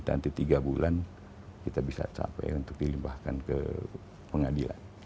nanti tiga bulan kita bisa capai untuk dilimpahkan ke pengadilan